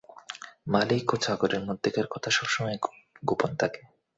মালিক ও চাকরের মধ্যেকার কথা সবসময়ই গোপন থাকে।